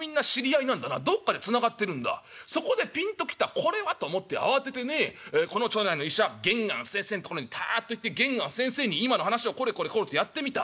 これはと思って慌ててねこの町内の医者源庵先生のところにたっと行って源庵先生に今の話をこれこれこうってやってみた。